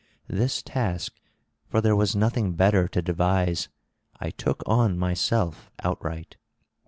This task—for there was nothing better to devise—I took on myself outright."